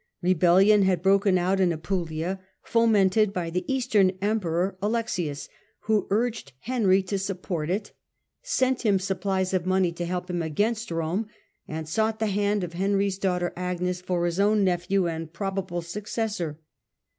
Rebellion had broken out in He is Apulia, fomented by the Eastern emperor, theTnti ^ Alexius, who urged Henry to support it, sent low* '' him supplies of money to help him against Rome, and sought the hand of Henry's daughter, Agnes, for his own nephew and probable successor.